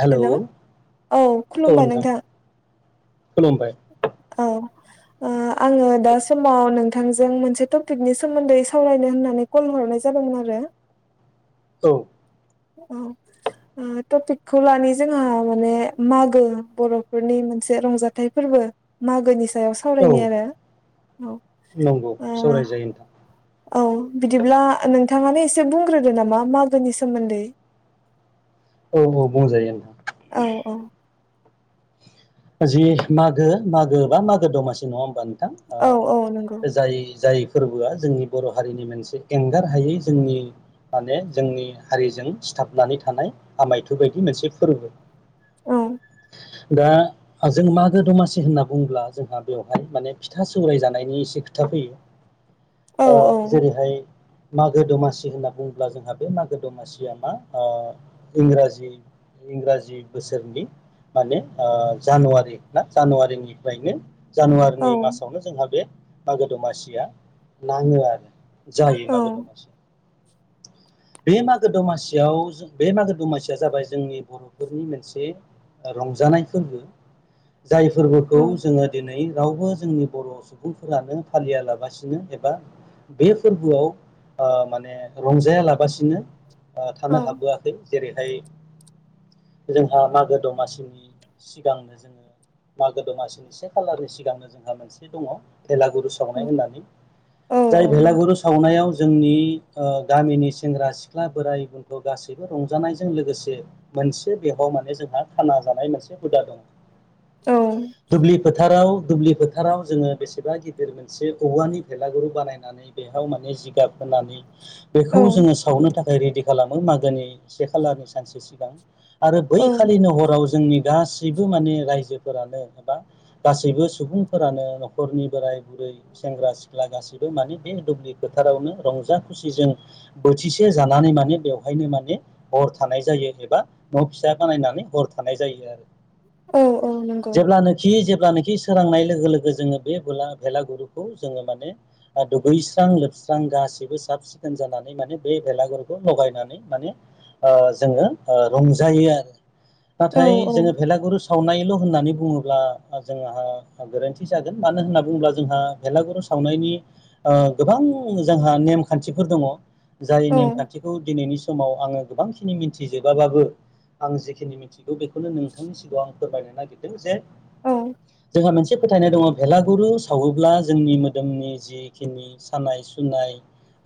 Hello औ नोंथां खुलुमबाय। औ आङो दा समाव नोंथांजों मोनसे टपिकनि सोमोन्दै सावरायनो होननानै कल हरनाय जादोंमोन आरो। औ। औ टपिकखौ लानाय जोंहा माने मागो बर'फोरनि मोन रंजाथाइ फोरबो मागोनि ओ औ सावरायनाय आरो नंगौ सावरायजायो नोंथां औ औ बिदिब्ला नोंथाङानो एसे बुंग्रोदो नामा मागोनि सोमोन्दै। औ औ बुंजायो औ होना औ जि मागो मागो बा मागो दमासि नङा होमबानो औ औ नंगौ जाय जाय फोरबोआ जोंनि बर' हारिनि मोनसे एंगार हायै जोंनि माने जोंनि हारिजों थाबनानै थानाय आमायथ बायदि मोनसे फोरबो औ दा जों मागो दमासि होनना बुंङोब्ला जोंहा बेवहाय माने फिथा सौराय जानायनि एसे खोथा फैयो। औ औ अ जेरैहाय मागो दमासि होनना बुङोब्ला जोंहा बे मागो दमासिया मा इंराजि इंराजि बोसोरनि माने ओ जानुवारि ना जानुवारिनिफ्रायनो औ जानुवारिनि मासावनो जोंहा बे मागो दमासिया नाङो आरो जायो मागो औ दमासि बे मागो दमासियाव जों बे मागो दमासिया जाबाय जोंनि बर'फोरनि मोनसे रंजानायफोरबो जाय फोरबोखौ जोङो दिनै रावबो जोंनि बर' सुबुंफोरानो फालिया लाबासिनो एबा बै फोरबोआव आ माने रंजाया लाबासिनो आ थानो औ हाबोआखै। जेरैहाय जोंहा मागो दमासिनि सि गांनो जोङो मागो दमासिनि से खालारनि सिगांनो जोंहा मोनसे दङ भेलागुरु सावनाय होननानै। औ जाय औ भेलागुरु सावनायाव जोंनि ओ गामिनि सेंग्रा सिख्ला बोराइ बेन्थ' गासैबो रंजानायजों लोगोसे मोनसे बेवबाव माने जोंहा खाना जानाय मोनसे हुदा दं। औ दुब्लि फोथाराव दुब्लि फोथाराव जोङो बेसेबा गिदिर मोनसे औवानि भेलागुरु बानायनानै बेहाव माने जिगाब होननानै औ बेखौ जोङो सावनो थाख खाय रिडि खालामो मागोनि से खालारनि सानसे सिगां आरो बै औ खालिनो हराव जोंनि सैबो माने रायजोफोरानो एबा गासैबो सुबुंफोरानो न'खरनि बोराय बुरै सेंग्रा सिख्ला गासिबो मानि बै दुब्लि फोथारावनो रंजा खुसिजों बोथिसे जानानै मा माने बेवहायनो माने हर थानाय जायो एबा न' फिसा बानायनानै हर थानाय जायो आरो। औ औ नंगौ। ब्लानोखि सोरांनाय लोगो लोगो जोङो बे बेला भेलागुरुखौ जोङो माने ओ दुगैस्रां लोब स्रां गाैबो साब सिखोन जानानै माने बे बेलागुरखौ लगायनानै माने ओ जोङो ओ रंजायो आरो औ नाथाय औ जोङो गुर सावनायल' होन्नानै बुङोब्ला जोंहा गोरोन्थि जागोन। मानो होनना बुङोब्ला जोंहा भेला गुरु सावनायनि ओ गोबां जोंहा नेमखान्थिफोर दङ। जाय औ नेमखान्थिखौ दिनैनि समाव आङो गोबांखिनि मिथिजोबाबाबो आं जिखिनि मिथिगौ बेखौनो नों थांनि सिगाङाव आं फोरमायनो नागिरदों जे औ जोंहा मोनसे फोथ थायनाय दङ भेलागुरु सावोब्ला जोंनि मोदोमनि जिखिनि सानाय सुनाय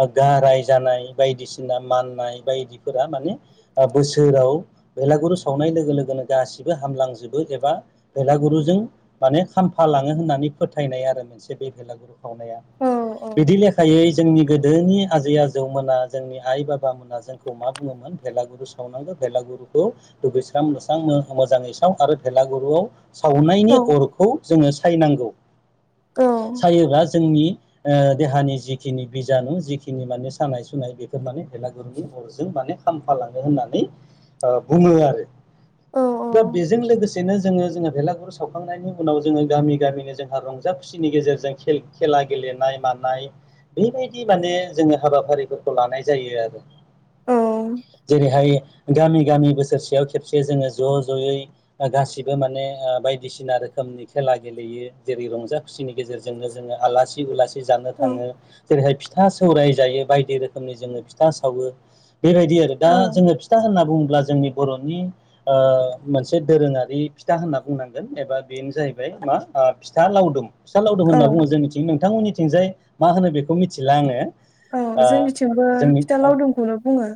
ख गाराय जानाय बायदिसिना माननाय बायदिफोरा माने आ बोसोराव बेलागुरु सावनाय लोगो लोगोनो गासिबो हामलांजोबो एबा बेलागुरुजों माने खामफालाङो होननानै फोथायनाय आरो मोनसे बे भेलागुरु खावनाया। औ बिदि लेखायै जोंनि गोदोनि आजै आजौमोना जोंनि आइ बाबामोना जोंखौ मा बुङोमोन भेलागुरु सावनांगो बेेलागुरुखौ दुगैस्रां लोस स्रांनो मोजाङै साव आरो भेलागुरुआव सावनायनि औ अरखौ जोङो सायनांगौ। सायोबा जोंनि ओ देहानि जिखिनि बिजानु जिखिनि माने सानाय सुनाय बेफोर माने भेलागुरुनि अरजों बा माने खामफालाङो होननानै ओ बुङो आरो। औ दा बेज जों लोगोसेनो जोङो जोङो भेलागुरु सावखांनायनि उनाव जोङो गामि गामिनो जोंहा रंजा खुसिनि गेजेरजों खेल खेला गेलेनाय मानाय बेबायदि माने जोङो हाबाफारिफोरखौ लानाय जायो आरो। जेरैहाय गामि गामि बोसोरसेयाव खेबसे जोङो ज' ज'यै ओ गासिबो माने ओ बायदिसिना रोखोमनि खेला गेलेयो। जेरै रंजा खुसिनि गेजेरजोंनो जोङो आलासि उलासि जानो थाङो। जेरैहाय फिथ था सौराय जायो बायदि रोखोमनि जोङो फिथा सावो बेबायदि आरो। दा जोङो फिथा होनना बुं ब्ला जोंनि बर'नि ओ मोनसे दोरोङारि फिथा होनना बुंनांगोन एबा बेनो जाहैबाय मा आ फिथा लावदुम। फिसा लावदुम औ होनना बुङो जोंनिथिं नोंथांमोननिथिंजाय मा होनो बेखौ मिथिला आङो। औ ओ जोंनिथिंबो जोंनि फिथा ओ लावदुमखौनो बुङो।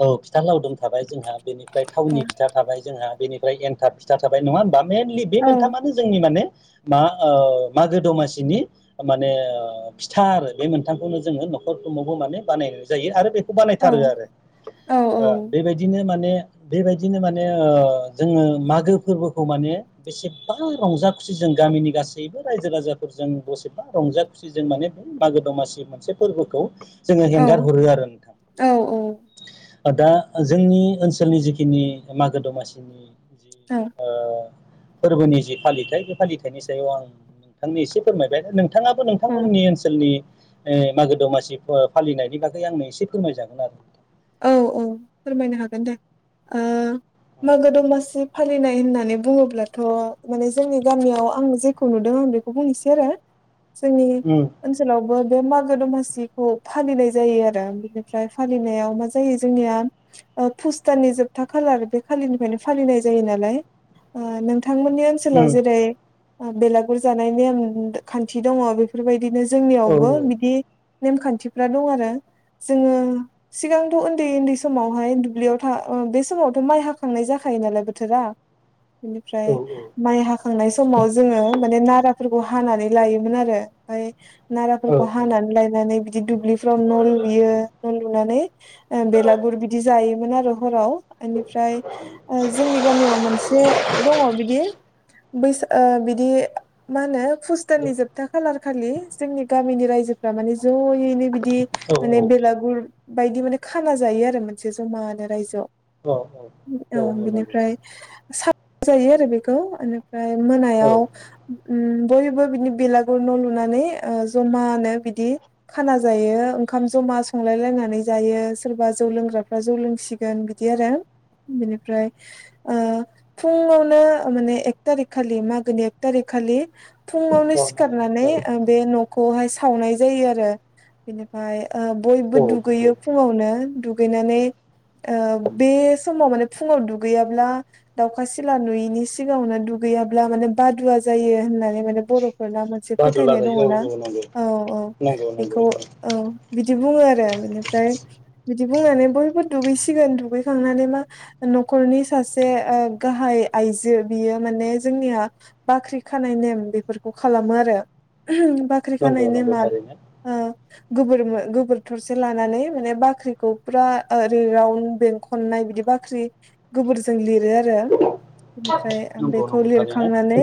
औ फिथा लावदुम थाबाय जोंहा, बेनिफ्राय औ थावनि फिथा थाबाय जोंहा, बेनिफ्राय एन्थाब फिथा थाबाय। नङा होमबा? मेनलि बे औ मोन्थामानो जोंनि माने मा ओ मागो दमासिनि माने ओ फिथा आरो बे मोनथामखौनो जोङो नखरफ्रोमावबो माने बानायनाय जायो आरो बेखौ औ बानायथारो आरो। औ ओ बेबायदिनो माने बेबायदिनो माने ओ जोङो मागो फोरबोखौ माने बेसेबा रंज रंजा खुसि जों गामिनि गासैबो रायजो राजाफोरजों बेसेबा रंजा खुसि जों माने बे मागो दमासि मोनसे फोरबोखौ जोङो औ हेंगार हरो आरो नोंथां। औ दा जोंनि ओनसोलनि जिखिनि मागो दमासिनि ओ फोरबोनि जि फालिथाय बे फालिथायनि सायाव आं नोंथांनो एसे फोरमायबाय नों नोंथाङाबो नोंथांमोननि ओनसोलनि मागो दमासि फालिनायनि बागै आंनो एसे फोरमायजागोन आरो औ औ फोरमायनो हागोन दे ओ मागो दमासि फालिनाय होननानै बुङोब्लाथ' माने जोंनि गामियाव आं जेखौ नुदों बेखौ बुंनोसै आरो जोंनि उम ओनसोलावबो बे मागो दमासिखौ फालिनाय जायो आरो बेनिफ्राय फालिनायाव मा जायो जोंनिया पुष दाननि जोबथा खालार बे खालिनिफ्रायनो फालिनाय जायो नालाय। ओ नोंथांमोननि ओनसोलाव उम जेरै बेलागुर जानाय नेम खान्थि दङ बेफोरबायदि बिदिनो औ जोंनियावबो बिदि नेम खान्थिफ्रा दं आरो जोङो सिगां थ' उन्दै उन्दै समावहाय दुब्लियाव थ बे समावथ' माइ हाखांनाय जाखायो नालाय बोथोरा बेनिफ्राय औ माइ हाखांनाय समाव जोङो माने नारा फोरखौ हानानै लायोमोन आरो ओमफ्राय औ औ नाराफोरखौ हानानै लायनानै बिदि दुब्लि फ्राव न' लुयो न' लुनानै बेलागुर बिदि जायोमोन आरो हराव बेनिफ्राय ओ जोंनि गामियाव मोनसे दङ बिदि बैसा बिदि मा होनो पुष दाननि जोबथा खालार खालि जोंनि गामिनि रायजोफ्रा मानि जयैनो बिदि माने बेलागुर बायदि माने खाना जायो आरो मोनसे जमानो रायजोआव औ बिनिफ्राय जायो आरो बेखौ बेनिफ्राय औ मोनायाव बयबो बिनि बेलागुर न' लुनानै ओ जमानो बिदि खाना जायो ओंखाम जमा संलाय लायनानै जायो सोरबा जौ लोंग्राफ्रा जौ लोंसिगोन बिदि आरो बिनिफ्राय ओ फुङावनो माने एक थारिक खालि मागोनि एक थारिख खालि फुङावनो नंगौ औ सिखारनानै औ नंगौ बे न'खौहाय सावनाय जायो आरो बेनिफ्राय बयबो ओ औ औ दुगैयो फुङावनो दुगैनानै ओ बे समाव माने फुङाव दुगैयाब्ला दाउखा सिला नुयिनि सिगाङावनो दु गैयाब्ला माने बादुवा जायो होननानै माने बर' फोरा मोनसे बादुला फोथायनाय दङ जायो ना औ नंगौ औ औ नंगौ नंगौ बेखौ नंगौ ओं बिदि बुङो आरो बिदि ओमफ्राय बिदि बुंनानै बयबो दुगैसिगोन दुगैखांनानै मा न'खरनि सासे ओ गाहाय आइजो बियो माने जोंनिया बाख्रि खानाय नेम बेफोरखौ खालामो आरो बाख्रि नंगौ खानाय नंगौ नेमा थारैनो गो गोबोर थरसे ला नानै माने बाख्रिखौ फुरा ओरै राउण्ड बेंखननाय बिदि बाख्रि गोबोरजों लिर लिरो आरो बेनिफ्राय ओ नंगौ बेखौ नंगौ थारैनो लिरखांनानै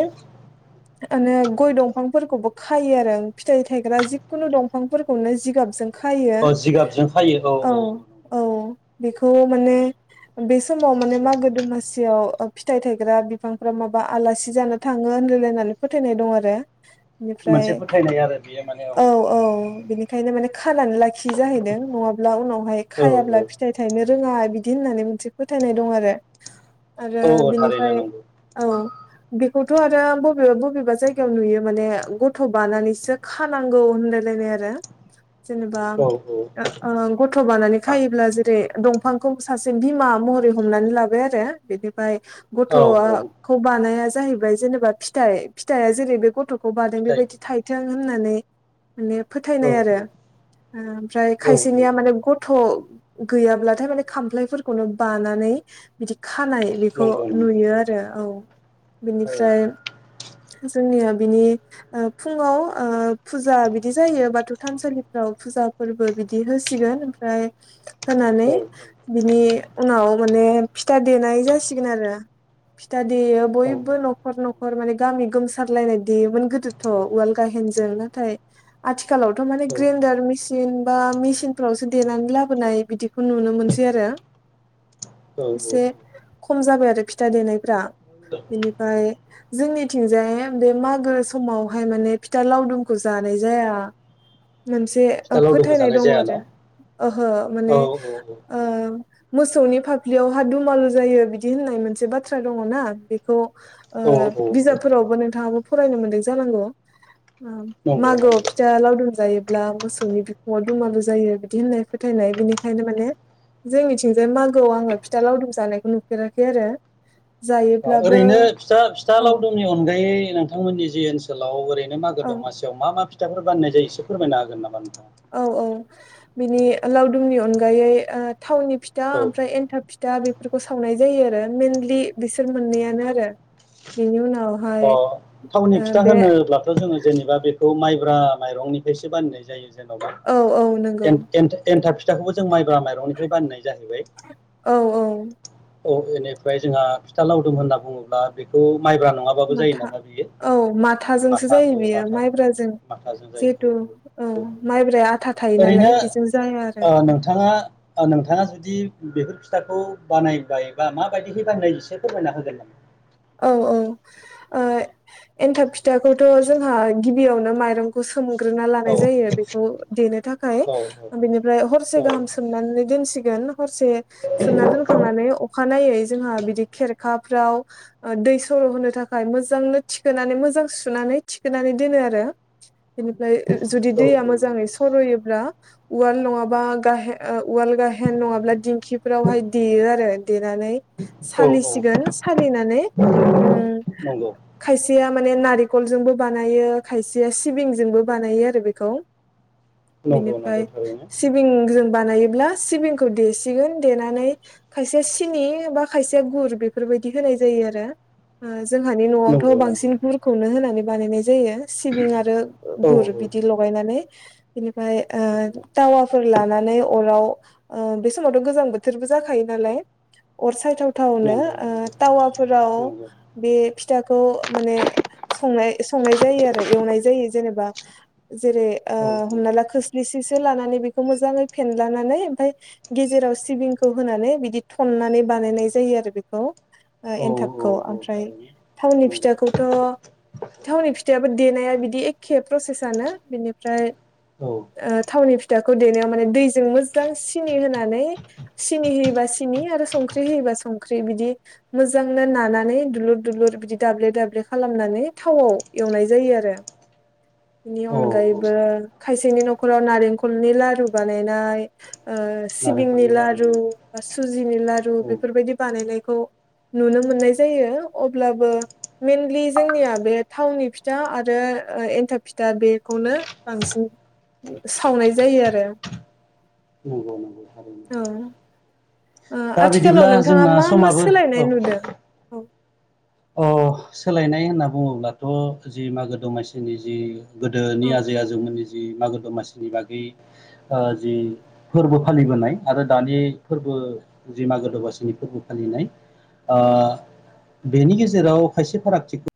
माने गय दंफांफोरखौबो खायो आरो फिथाइ थायग्रा जिखुनु दंफांफोरखौनो जिगाबजों खायो औ औ बेखौ माने बे समाव माने मागो दमासियाव फिथाइ थायग्रा बिफांफ्रा माबा आलासि जानो थाङो होनलायलायनानै फोथायनाय दं आरो बेनिफ्राय मोनसे फोथायनाय आरो बेयो माने औ औ। ओंखायनो माने खानानै लाखियो जाहैदों नङाब्लालाय उनावहाय औ खायाब्ला फिथाइ थायनो रोङा बिदि होननानै मोनसे फोथायनाय दं आरो आरो औ औ थारैनो बिनिफ्राय नंगौ औ बेखौथ' आरो बबेबा बबेबा जायगायाव नुयो माने गथ' बानानैसो खानांगौ होनलायलायनाय आरो जेनबा औ ओ गथ' बानानै खायोब्ला जेरै दंफांखौ सासे बिमा महरै हमनानै लाबाय आरो बिनिफ्राय औ औ गथ'खौ बानाया जाहैबाय जेनेबा फिथाइ फिथाइआ जेरै बे गथ' खौ बादों फिथाइ बेबायदि थायथों होननानै माने औ फोथायनाय आरो। ओमफ्राय औ खायसेनिया माने गथ' गैयाब्लाथाय माने खामफ्लायफोरखौनो बानानै बिदि खानाय बेखौ नंगौ नंगौ नुयो आरो औ औ औ बिनिफ्राय जोंनिया बिनि फुङाव ओ फुजा बिदि जायो बाथौ थानसालिफ्राव। फुजा फोरबो बिदि होसिगोन ओमफ्राय होनानै औ बिनि उनाव माने बे फिथा देनाय जासिगोन आरो। फिथा देयो औ बयबो न'खर न'खर माने गामि गोमसारलायनाय देयोमोन गोदोथ' उवाल गाहे गाहेनजों नाथाय आथिखालावथ' माने औ ग्रिनदार मिसिन बा मिचिनफ्रावसो देनानै लाबोनाय बिदिखौ नुनो मोनसै आरो। एसे औ खम जाबाय आरो फिथा देनायफ्रा। बेनिफ्राय जोंनिथिंजाय बे मागो समावहाय माने फिथा लावदुमखौ जा नाय जाया मोनसे फिथा लावदुमखौ फोथायनाय जानाय दङ जाया आरो न' ओहो औ माने ओ मोसौनि फाफ्लियावहा दुमालु जायो बिदि होननाय मोनसे बाथ्रा दङ ना बेखौ ओ औ औ बिजाबफोरावबो नोंथाङाबो फरायनो मोन्दों जानांगौ? नंगौ मागोआव नंगौ फिथा लावदुम जायोब्ला मोसौ नि बिखुङाव दुमालु जायो बिदि होननाय फोथायनाय बिनिखायनो माने जोंनिथिंजाय मागोआव आङो फिथा लावदुम जानायखौ नुफेराखै आरो। जायोब्लाबो ओरैनो फिथा फिथा औ लावदुमनि अनगायै नोंथांमोननि जे ओनसोलाव ओरै मागो औ दमासिआव मा मा फिथाफोर बानायनाय जायो इसे फोरमायनो हागोन नामा? नोंथाङा औ औ बिनि लावदुमनि अनगायै ओ थावनि फिथा औ ओमफ्राय एन्थाब फिथा बेफोरखौ सावनाय जायो आरो मेनलि बिसोर मोननैयानो आरो बिनि उनाव अ थावनि फिथा होनोब्लाथ' जोङो जेनेबा बेखौ माइब्रा माइरंनिफ्रायसो बानायनाय जायो। जेनबा औ औ नंगौ एन एन एन्थाब फिथाखौबो जों माइ जा माइरंनिफ्राय बानायनाय जाहैबाय। औ औ औ बेनिफ्राय जोंहा फिथा लावदुम होनना बुङोब्ला बेखौ। माइब्रा नङाबाबो जायो माथा नामा बेयो औ माथाजोंसो माथा जायो औ बियो माथा। माइब्राजों माथाजों जायो जिहेथु औ माइब्राया आथा थायो नालाय ओरैनो बेजों जाया आरो ओ औ नोंथाङा। औ नोंथाङा जुदि। बेफोर फिथाखौ बानायबाय बा माबायदिहै बानायनाय एसे फोरमायना होगोन नामा? औ औ ओ। एन्थाब फिथाखौथ' जोंहा गिबियावनो माइरंखौ सो सोमग्रोना औ लानाय जायो बेखौ देनो थाखाय औ बिनिफ्राय हरसे गाहाम सोमनानै दोनसि हरसे सोमना दोनखांनानै अखानायै जोंहा बिदि खेरखाफ्राव ओ दै सर' होनो थाखाय मोजांनो थिखोनानै मोजां सुनानै थिखोनानै दोनो आरो। बेनिफ्राय जुदि दैया औ मोजाङै सर'योब्ला उवाल नङाबा गाहे उवाल गाहेन नङाब्ला दिंखिफोरावहाय देयो आरो देनानै औ औ सालिसिगोन सालिनानै ओम नंगौ खायसे या माने नारिकलजोंबो बानायो खायसेया सिबिंजोंबो बानायो आरो बेखौ। नंगौ बेनिफ्राय नंगौ थारैनो सिबिं जों बानायो। ब्ला सिबिंखौ देसिगोन देनानै खायसे सिनि बा खायसे गुर बेफोरबायदि हो जायो आरो ओ जोंहानि न'आवथ' नंगौ नंगौ बांसिन गुरखौनो होनानै बानायनाय जा जायो सिबिं आरो औ गुर औ बिदि लगायनानै। ओमफ्राय नंगौ ओ थावाफोर लानानै। नै अराव बै समाव गोजां बोथोरबो जाखायो नालाय अर साय थावथावनो नंगौ नंगौ ओ टावाफोराव नंगौ बे फिथाखौ माने संनाय संनाय जायो आरो एवनाय जायो जेनेबा। जेरै ओ औ हमना ला ओ खोस्लिस सो लानानै बेखौफ मोजां फेनदलानानै ओमफाय गेजेराव सिबिंखौ होनानै बिदि थननान बानायनाय जायो आरो बिखौ ओ औ एनथाब औ खौ औ ओमफ्राय थारैनो थावनि नंगौ फिथाखौथ' थावनि फिथायाबो देनाया बिदि एखे प्रसेसानो बिनिफ्राय औ ओ थावनि फिथाखौ देनायाव माने दैजों मोजां सिनि होनानै सिनि होयोबा सिनि आरो संख्रि होयोबा संख्रि बिदि मोजां नो नानानै दुलुर दुलुर बिदि दाब्ले दाब्ले खालामनानै थावाव एवनाय जायो आरो। बेनि औ औ अनगायैबो खायसेनि न'खराव नारेंखलनि लारु बानायनाय ओ सिबिंनि नारेंखलनि लारु औ बा सुजिनि लारु बेफोरबायदि बानायनायखौ नुनो मोननाय जायो अब्लाबो मेनलि जोंनिया बे थावनि फिथा आरो एन्थाबफिथा बेखौनो बांसिन सावनाय जायो आरो। ‌ नंगौ नंगौ थारैनो औ। ओ दा आथिखालाव बिदिब्ला नोंथाङा जोंना मा मा समाबो सोलायनाय औ नुदो? अ सोलायनाय होनना बुङोब्लाथ' जि मागो दमासिनि जि गोदोनि औ आजै आजौमोननि मागो दमासिनि बागै जि फोरबो फालिबोनाय आरो दानि फोरबो जि मागो दमासिनि फोरबो फालिनाय ओ बेनि गेजेराव खायसे फारागथिखौ